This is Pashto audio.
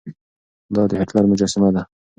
دا د هېټلر مجسمه ده.